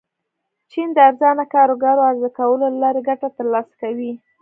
چین د ارزانه کارګرو عرضه کولو له لارې ګټه ترلاسه کوي.